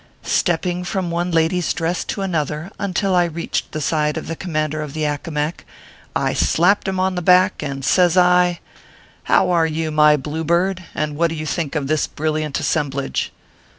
Stepping from one lady s dress to another, until I reached the side of the Commander of the Aecomac, I slapped him on the back, and says I :" How are you, my blue bird ; and what do you think of this brilliant assemblage